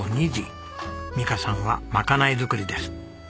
美香さんはまかない作りです。